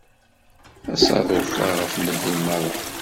Asaḍuf-a ɣef medden merra.